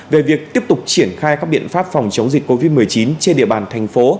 về việc tiếp tục triển khai các biện pháp phòng chống dịch covid một mươi chín trên địa bàn thành phố